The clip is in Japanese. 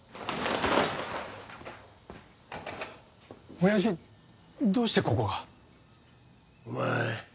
物音親父⁉どうしてここがお前